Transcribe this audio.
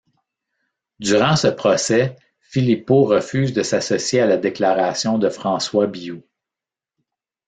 Durant ce procès, Philippot refuse de s'associer à la déclaration de François Billoux.